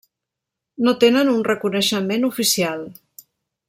No tenen un reconeixement oficial.